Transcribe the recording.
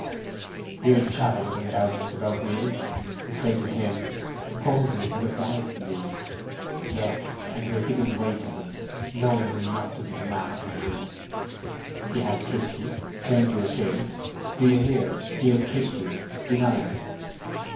"You'll chatter with him doubtless about me. Say to him, 'Boldwood would have died for me.' Yes, and you have given way to him, knowing him to be not the man for you. He has kissed you—claimed you as his. Do you hear—he has kissed you. Deny it!"